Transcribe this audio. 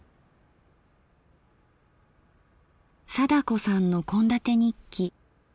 貞子さんの献立日記。